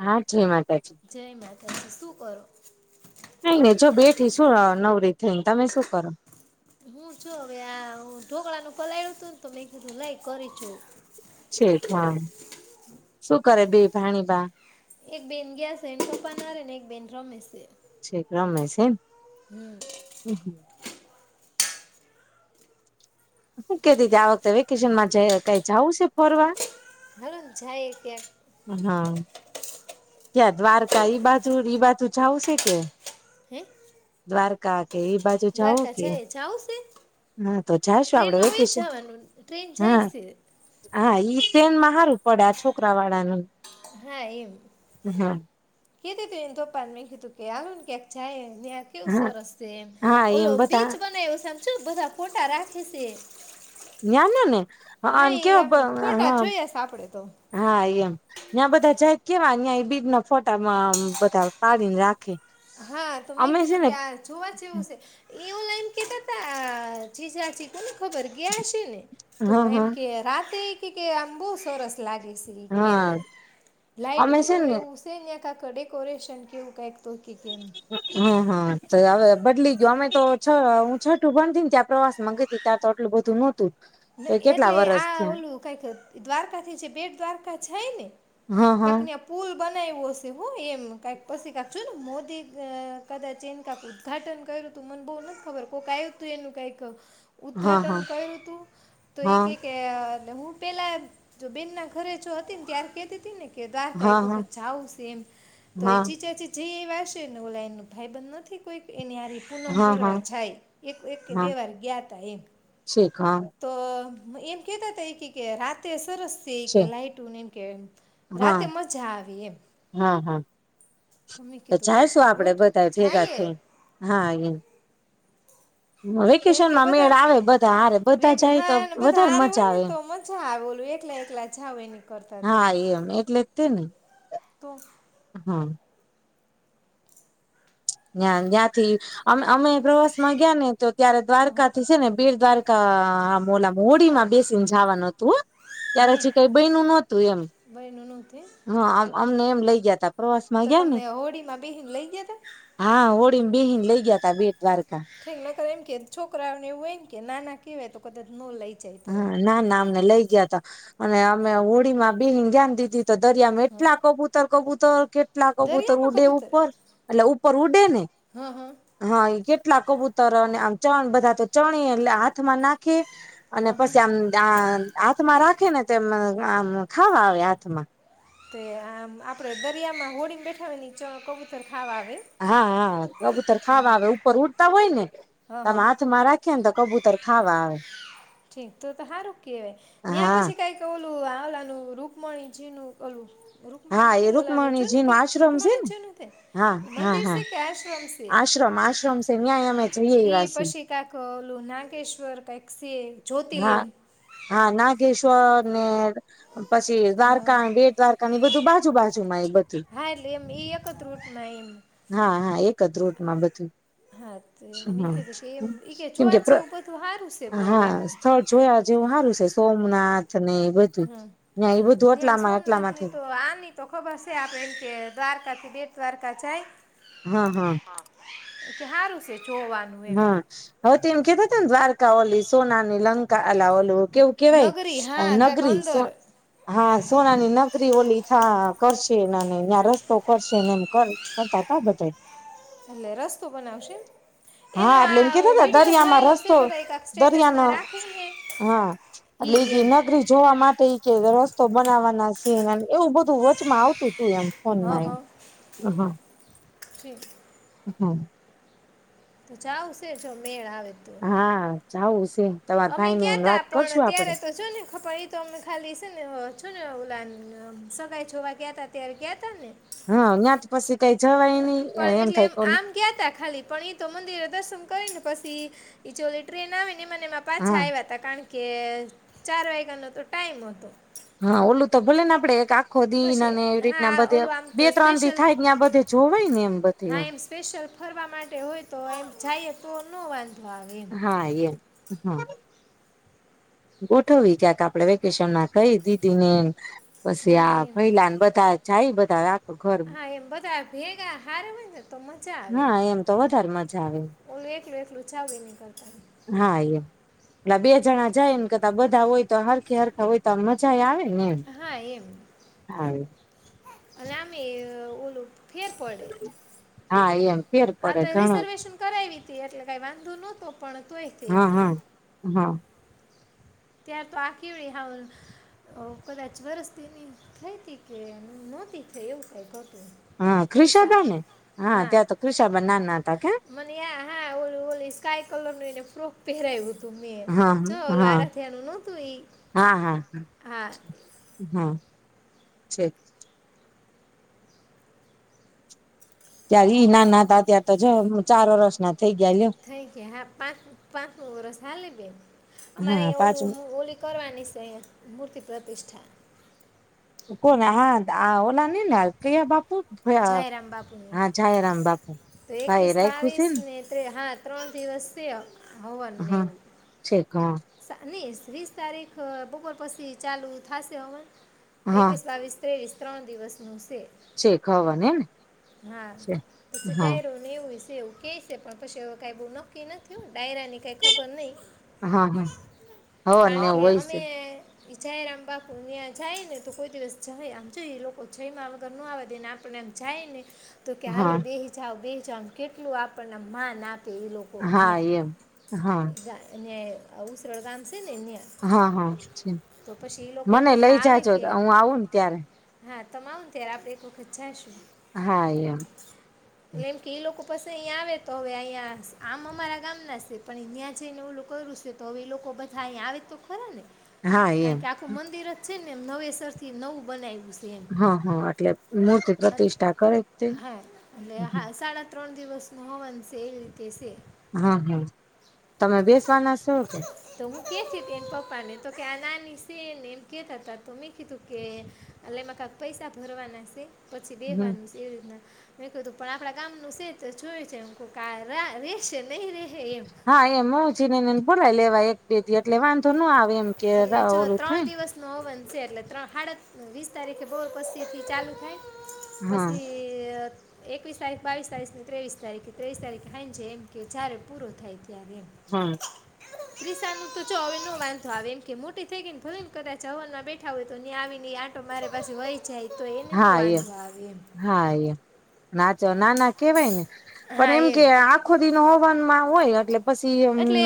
હા જય માતાજી. જય શું કરો? નઈ નઈ જો બેઠી શું નવરી થઈને તમે શું કરો? હું છું હવે આ ઢોકળાનુ પલાયળું હતું ને, તો મેં કીધું લઈ કરી છું. છે ઠીક હા શું કરે ભી ભાણીભા? એક બેન ગયા છે એ કપાનારને એક બેન રમે છે. કોણ? હમ. હું કેતી આ વખતે વેકેશન માં જ કઈ જાવું છે ફોરવા? હાલું જાય કે. હા ત્યાં દ્વારકા ઈ બાજુ ઈ બાજુ જાવશે કે? હે દ્વારકા. કે એ બાજુ જાવ દ્વારકા કે, જાય જાવું છે હા તો જાશું આપડે ટ્રેનમાં વે વેકેશન, જવાનું ટ્રેન જાય હા છે હા ઈ. ટ્રેન માં હારું પડ્યા છોકરા વાળાનું. હા એમ. હા. કીધી તું એને ધોપાને મેં કી તું કે આવ્યું ને ક્યાક જાય. ત્યાં કેવું સો હા રસ એમ, હા ઓલો એમ બધા બીચ બનાયો છેમ. શું બધા ફોટા રાખી સે? ત્યાનોને હ કેવ હ ફોટા જોયા છે આપણે તો હા એમ ત્યા બધા જાય કેવા અ્યાં એ બીજ ના ફોટામાં બધા પાડીને રાખે હા તો મેં અમે છે કીધું ને ક્યાં જોવા જેવું છે. એ ઓલાઈન કેતા તા જીજાજી કોને. ખબર ગયા છે ને તો હા એમ હા કે રાતે કે આમ બો સરસ લાગે સે ઈ કે એમ હા અમે છે લાઈટુનુને ને એવું સેને કા તો ડેકોરેશન એવું કંઈક તો. કે કેમ હમ હા તવે બદલી ગયયો અમે તો છ હું છઠું બંધી ને ત્યા પ્રવાસમાં ગી ત્યાં તો આટું બધું નહોતું. તો કેટલા એટલે વરસ આ થયા ઓલું કાઇક દ્વારકાથી જે બેટ દ્વારકા જાયને હા હા કાક ત્યાં પુલ બનાવ્યું હશે. હું એમ કઇક પછી છે ને મોદી કદાચ એને કાક ઉદઘાટન કર્યું તું મને બવ નથી ખબર. કોઈક આવ્યું તું એનું કઈક હા ઉદઘાટન કયરુ તું. તો ઇ હા કેય કે હું પેલા જો બેન ના ઘરે જો હતી ને તાર કેહતી તી ને કે હા દ્વારકા હા એક હા વખત જાવું છે એમ, તો એ [unintelligible] જે [unintelligible] ભાઈ બંધ નથી કોઈ એને હરી હા પૂનમ હા ભરવા હા જાય એક એક કે હા બે વાર ગયા ત એમ. શીખ હા તો એમ કતા ત કે કે રાતે સરસ છે એ કે લાઈટને એમ, કે હા રાતે મજા આવી એમ હા હા તમે તો કીધું કઈ જાયશું આપડે ગોટ બધા ભેગા જાય. થઈ હા એમ તો એમ કે વેકેશનમાં મેળ બધા, આવે બધા હારે બધા જાય તો હા બધા વધારે હારે મજા હોય ને આવે એમ તો મજા આવે ઓલ એકલા એકલા જાવય ન કરતા તો એમ. તો હમ. ના્યા જ્યાંથી, અ અમે પ્રવાસ માં ગયા ને તો ત્યારે હા દ્વારકાથી છે ને બીડ દ્વારકા કા મોલા મોડી માં બેસી ને જવાનું હતું. હે ત્યારે પછી કઈ બયનું નહોતું એમ. બયનું નહોતું એમ. હા. અમને એમ લઈ ગયા તા. પ્રવાસ માં તો ગયા ને તમને હોડીમાં બેહીન લઈ ગયા હતા? બેહી ને લઈ ગયા તા બે ઠીક ના કર એમ. છોકરાઓને એવું હોય ને કે નાના કેહેવાય તો કદાચ ન લઈ. જાય તો એમ હા ના નામનેલા ગયા તા. અને અમે હોળી માં બે ધ્ઞાન દીધી તો દરિયામાં હા એટલા કબૂતર કવું તો કે કેટલા કબૂતર દરિયામાં ઉડે કબૂતર ઉપર, એટલે ઉપર ઉડે ને, હા હા હા એ કેટલા કબૂતર ર અને આમ ચણ બધા તો ચણી એટલે હાથ માં નાખી. અને હા હા પછી આમ આ હાથમાં રાખે ને તેમ આમ ખાવા આવે હાથમાં. તે આમ આપડે દરિયામાં હોડીગ બેઠાની કબૂતર ખાવા આવે હા હા કબૂતર ખાવા આવે ઉપર ઉડતા હોય ને, હા તમે હા હાથમાં રાખી ને તો કબૂતર ત ખાવા આવે. ઠીક તો તો હારુ કેવાય, રોકી ત્યાં હા પછી કઈ ક લું હલા નું રૂકમણીજી નું કલું. હા રુકમણી એ નહી ઓલાનું છ ને રૂકમણીજી નો કઈ આશ્રમ રુકમણી ને છે હા હા મંદિર હા છે કે આશ્રમ છે? આશ્રમ આશ્રમ છે ન્યાય અમે જઈએ ઈ એવા છીએ પછી કાકલું નાગેશ્વર કઈ. સે હા હા નાગેશ્વર. હમ્મ અર પછી હા દ્વારકા બેડ દ્વારકા એ બધું બાજુ બાજુ માં એ બધું. હા એટલે એમ ઈ એક જ રૂટમાં એમ હા હા એક કદરોદમાં બધું. હા, તોમ મેં હા કીધું કે એમ કે જોવા છે એવું બધું હારું છે બહુ હા એમ. સ્થળ જોયા જેવું સારું છે સોમનાથ. ને એ બધું હમ્મ ન્યા એ બધું ને આ એટલામાં સોમનાથ ની એટલામાંથી તો આની તો ખબર છે આપડે એમ કે દ્વારકાથી બે દ્વારકા જાય. હા, હા. કે હારું સે. હા, હવે તે એમ કેતા થે ને દ્વાર ક ઓલી સોનાની લંકા અલા ઓલું કેવું નગરી કેવાય હા કાંક નગરી સો અંદર હા સોનાની નગરી ઓલી હા હા કરશે એનાને ત્યાં રસ્તો કરશેને એમ કર-કરતા તા બધાએ એટલે રસ્તો બનાવશે? એનો હા, એટલે એમ આ કેતા વિડીયો દરિયામાં જોયેલો છે રસ્તો બધા કાંક દરિયાનો સ્ટેટસમાં રાખીને હા એટલે ઈ એમ એ નગરી જોવા માટે ઈ કે રસ્તો બનાવવાના છે એના એવું બધું વચમાં આવતું તું એમ હ ફોનમાં હ એ. ઠીક. હા. ચાવશે જો મેળ આવે તો હા. જાઉસ અમે ગયા તા, પણ ત્યારે તો જો ને [unintelligible] તો અમે ખાલી સે ને અહ શું ને ઓલાન સગાઈ જોવા ગયા તા ત્યારે ગયા તા ને. હા ન્યાં જ પછી કઈ જવાય નહી પણ એટલે થાય એમ કો આમ ગયા તા ખાલી પણ ઈ તો મંદિરે દર્શન કરી ને પછી, ઈચોલી ટ્રેન આવીને એમાન એમા પાછા હા આવ્યા તા કારણ કે ચાર વાયગાનો તો ટાઈમ હતો. હા. ઓલું તો ભલે ને આપડે એક આ ખો દી પછી અને એવી હા રીતના બધે, ઓલું આમ બે તો ત્રણ દી સ્પેશિયલ થાય ને ન્યાં બધે જોવાય ને એમ બધે હા એમ. સ્પેશિયલ ફરવા માટે હોય તો એમ જાઈએ તો નો વાંધ હા એમ, હમ્મ. ગોઠવી ક્યાક આપડે વેકેશન ના ખાઈ દીદી ને. પછી હા આ એમ ભૈલાન બધા જાય બધા. ઘર હા એ બધા વેગ આહારમાં જ હા એમ તો વધારે મજા આવે. ફ લુચાવ વિેની કરતા હા એમ, એટલે બે જણા જાય ને કરતા બધા હોય તો હરખ હરખા હોય તો મજા આવે. ને એમ હા એમ, આવે અને આમ અ ઓલું. ફેર પડે. હા એમ. ફેર આ પડે તો ઘણો રિઝર્વેશન કરાવી તી એટલે કઈ વાંધો નહતો પણ તોય હા એમ. હા હા ત્યાં તો આ કીડી હ કદાચ વરસતીની થઈ હતી કે નહોતી થઈ એવું કઈ હા ક્રીસા ક્રિષાબા છે, ને હા ત્યાં તો ક્રિષાબા નાના હતા કે મને હા ઓ સ્કાય કલરનો ફ્રોક પહેરાયવું હતું. મેં હા જો ઓલું હા. આરાધ્યાનું નહોતું એ હા હા હ છે ત્યારે ઈ નાના હતા ત્યારે તો જો ચાર વર્ષ ના થઈ ગયા લ્યો થઈ ગયા હા પાંચ પાંચમું વરસ હાલી બેન અમારે હા ઓલુ પાંચમા ઓલી કરવાની છે મૂર્તિ તિષ્ઠા કોણ હા ઓલા નીને લાલ પ્રિયા બાપુ જાયરામ બાપુની હા જાય રામ બાપુ તો ભાઈ એકવીસ રાખ્યું બાવીસ છે ને ત્રે હા ત્રણ દિવસ છે. હવન ને હા છેક હા એવું સા ની વીસ તારીખ બપોર પસી ચાલુ થાશે હવન હા એકવીસ બાવીસ ત્રેવીસ ત્રણ દિવસનું સે. છેક હવન હે ને હા પછી ડાયરો ને એવું હશે એવું કેય છે પણ પસી એવું કઈ બહુ નક્કી નથી થયુ ડાયરાની કઈ ખબર નહી હા હા કારણ હવનને એવું કે હોય અમે છે ઈ જાયરામ બાપુ, ન્યા જાય ને તો કોઈ દિવસ જઇ, આમ જો એ લોકો જઈમાં વગર ન આવવા દે ને, આપણને આમ જાય ને તો કે હાલો હા બેહી જાઓ બેન. આમ કેટલું આપણને માન આપ પે ઈ લોકો હા ન્યાં. એમ હા [unintelligible] આ ઉસરળ ગામ સ હા, હા છેન. પછી એ લોકો મને લઈ બધા જાજો હું આવું ને ત્યારે. તમ આવો ને ત્યારે આપડે એક વખત જાશું. હા એમ. પશી અહીંયા આવે તો હવે અહીંયા આમ અમારા ગામના સે, પણ ઈ ન્યા જઈને એવું ઓલું કર્યું સે, તો હવે ઈ લોકો બધા આયા આવે તો ખરા ને. હા એમ કાઈક આખું મંદિર જ છે ને એમ નવેસર થી નવું બનાઇવુ સ હા, હા એટલે મૂર્તિ અન- પ્રતિષ્ઠા કરે તે હા. એટલે હા સાડા ત્ર તણ દિવસનો હવન સે ઈ રીતે સે. હા, હા. તમે બેસવાના સો કે? તો હું કહેતીતી એન પપ્પાને, તો કે આ નાની સે ને એમ કેતાતા, તો મેં કીધું કે અલે એમાં કાક પૈસા ભરવાના સે પછી હમ બેહવાનું સ. ર મેં કુ પણ આપણા ગામ નનું છે તો જોય છે રેશે નહી ર હા એમ છે ને ભોલા લેવા એક બેધ એટલે વાંધો ન આવેમ. એટલે જો ત્રણ દિવસ નો હો બન છે એટલે ત્રણ હડ વીસ તારીખે બહુ પછીથી ચાલુ થાય. હા પછી એકવીસ તારીખ બાવીસ તારીખ ત્રેવીસ તારીખ ત્રેવીસ તારીખ થ છે એમ કે જ્યારે પૂરો થાય ત્યારે. હમ. ત્રીસા નું તો ચોવે ન વાંધો આવે. મોટી થઈ ગઈને ભલેને કરતા ચવન માં બેઠા હોય તો આવી ને આટો મારે પાછી હોય જાય તો એને ન હા વાંધો આવે એમ. નાચો ના ના કેવાય ને. પણ એમ કે આખો દિ ન હોવાન માં હોય એટલે પછી એમ એટલે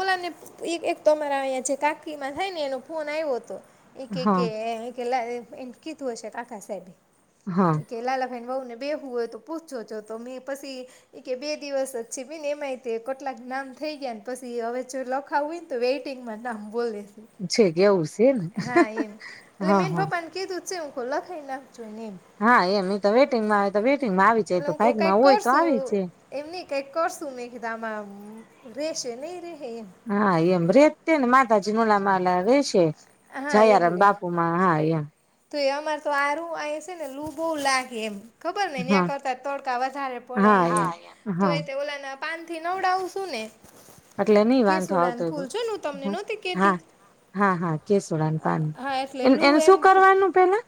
ઓલાને એક એક તોરા અંયા જે કાકીમાં થાય ને એનો ફોન આવ્યો હતો. એક એક હા એક કેલા એ કી હશે આકા સાહેબી. હા. [unintelligible] વહુ ને બેહવું હોય તો પૂછજો જો, તો મેં પસી ઈ કે બે દિવસ જ છે બેન એમાંય તે કટલાક નામ થઈ ગયા ને પસી હવે જો લખાવું હોયન તો વેઇટિંગમાં નામ બોલે. છે છેક એવું સેન હા હા, હા. તો લખાય નાખ. હા એમ. ઈ તો વેટિંગમાં આવે તો વેટ એટલે હું કાઈક કરશું, એમ નહીં કઈક કરશું મેં કીધા આમાં મ રહેશે. નહીં રહે? હા એમ. રેત તેન માતાજી ના ઓલા મા લા વેશ [unintelligible] હા જયારામ એટલે બાપુમાં. હા એમ. તો એ અમાર તો આરું આય સે ને લું બોવ લાગે એમ. ખબર ને હા ન્યાં કરતા તડકા વધારે પડે હા એમ અહિયાં, હા તોય તે ઓલા ના પાન થી નવડાવશું ને એટલે નહી વાંધો કેસુડાન આવતો ફૂલ હોય. જોયું ને હું તમને નહોતી હા, કેતી હા, હા, કેસ ડાન પાન. એન-એન શું કરવાનું પહેલા?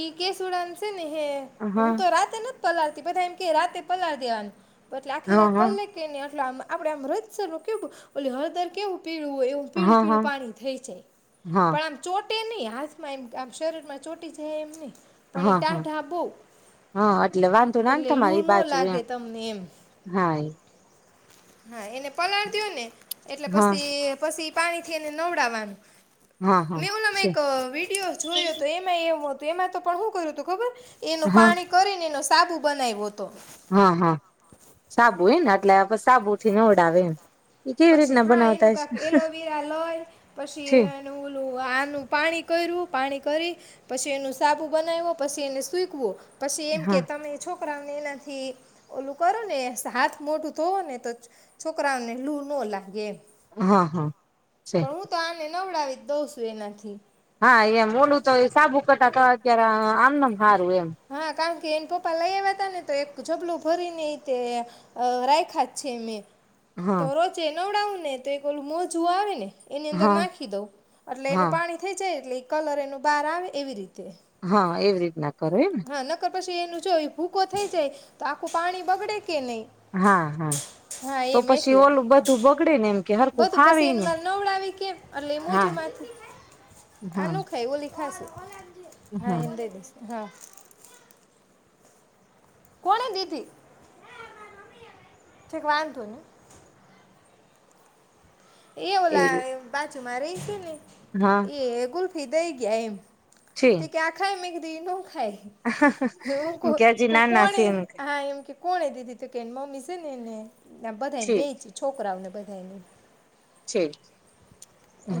એ કેસુડાનશે ને હે, હા હું તો રાતેનો પલાતી બધા એમ કે રાતે પલાર દેવાના પર આખી, હા રાત હા પલ્લે તે નિયોત પેલો આમ આપડે આમ હદસર નું કેવુંલે હળદર કેવું પીળું હોય એવું પીળું હા હા પીળું પાણી થઈ જાય હા પણ આમ ચોટ ટેની હાથમાં આમ શરીર માં ચોટી છે એમ ની. હા હા હા એટલે વાંધો ના એટલે લૂ તમારી ન બાજુ એમ લાગે તમને એમ હા એ. હા એને પલાળ દેયો ને એટલે હા પસી પસી પાણી થી એને નવડાવવાનું. હા હા મેં હુલામાં છે એક વિડીયો જોયો તો એમાં એ વ તો એમાં તો પણ શું કર્યું તું ખબર? એનું હા પાણી કરીને એનુંસ સાબુ બનાઈવો તો. હા હા સાબું એને આટલે આ બસ પછી રીતના હા એનું બનાવતા કક હશે એલોવેરા લય પછી છે એનું ઓલું આનું પાણી કર્યું પાણી કરી પછી એનું સાબુ બનાવ્યો, પછી એને સૂઈકવો. પછી એમ કે હા તમે છો [unintelligible] એનાથી ઓલું કરો ને સ હાથ મોટું ધોવો ને તો છોકરાઓને લૂ નો લાગે એમ. હા, હા. છે પણ હું તો આ ને નવડાવી જ દઉં સું એનાથી. હા એમ. ઓલું તોય સાબુ કરતા તો અત્યારે આમનમ હારું એમ. ણ કે એન પપ્પા લઈ આયવા તા ને તો એક જબલું ભરી ને એય તે રાયખા જ છે મે. તો હા રોજે‌ નવડાવું ને તો એક ઓલું મોજું આવે ને એની અંદર હા નાખી દઉં, એટલે એનું હા પાણી થઈ જાય, એટલે ઈ કલર એનું બહાર આવે, એવી રીતે. હા એવી રીત ના કરે ને? હા નકર પછી એનું જો ઈ ભૂકો થઈ જાય તો આખું પાણી બગડે કે નહીં? હા હા હા તો એમ પછી એટલે. ઓલું બધું બગડે ને એમ કે હરખું બધું પસી ફાવે એન ને મારે નવડાવી કેમ? એટલે ઈ હા મોજું માંથી, હા આનું ખાય ઓલી ખાશે. હા એન દઈ દેશ. હા. કોણે દીધી? ઠીક વાંધો નહીં. એ એવી રીતે ઓલા બા જું મા રેય સે ને હા એ ગુલ ફી દઈ ગયા એમ. છે તે કે આ ખાઈ, મે કીધ [unintelligible] કે હજી નાના છે કોને, એમ કે હા એમ કે કોને દીધી, તો કે એન મમ્મી સ [unintelligible] એને ન્યાં બધાયન છે વેચી છોકરાવ ને બધાય ને. છે.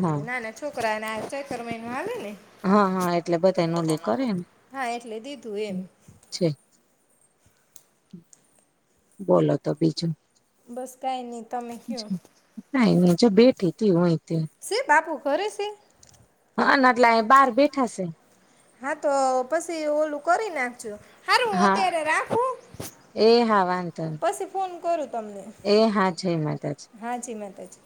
હા નાના છોક રાને આ ચૈતર મહિનો હાલે ને! હા, હા એટલે બધાય ને ઓલું કરે ને. હા એટલે દીધું એમ છે. બોલો તો બીજું. બસ કાઈ નહી તમે કયો અચ્છા કાઈ નહીં જો બેઠી. તી હોય. સે બાપુ કરેશે? હા ના એટલા એ બહાર બેઠા છે. હા, તો પછી ઓલું કરી નાખજો. હારું હું હા, અત્યારે રાખું એ હા વાંધો પછી ફોન કરું તમને એ હા છે એ માતા છે. હા જી માતાજી